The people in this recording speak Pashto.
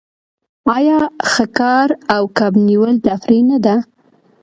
آیا ښکار او کب نیول تفریح نه ده؟